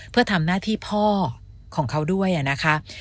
เพื่อทำหน้าที่พ่อของเขาด้วยนะคะ